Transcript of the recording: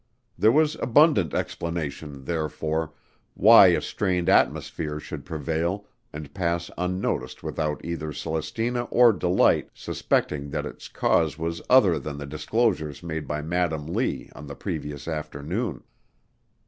There was abundant explanation, therefore, why a strained atmosphere should prevail and pass unnoticed without either Celestina or Delight suspecting that its cause was other than the disclosures made by Madam Lee on the previous afternoon.